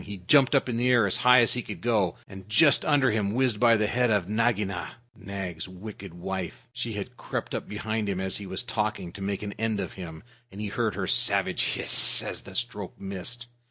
He jumped up in the air as high as he could go, and just under him whizzed by the head of Nagaina, Nag's wicked wife. She had crept up behind him as he was talking, to make an end of him. He heard her savage hiss as the stroke missed.